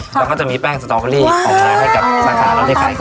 เข้ามาแล้วจะมีแป้งสตรอเกอรี่เอามาให้กับสาขาแล้วที่ขายกัน